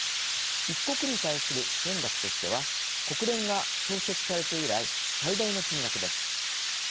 一国に対する支援額としては国連が創設されて以来最大の金額です。